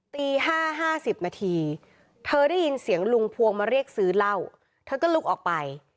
ตี๕๕๐นาทีเธอได้ยินเสียงลุงพวงมาเรียกซื้อเหล้าเธอก็ลุกออกไป